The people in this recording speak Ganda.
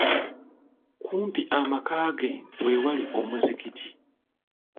Kumpi n'amaka ge we waali omuzigiti.